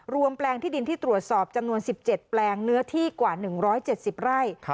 แปลงที่ดินที่ตรวจสอบจำนวน๑๗แปลงเนื้อที่กว่า๑๗๐ไร่